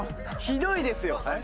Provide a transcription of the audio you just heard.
ひどいですよ。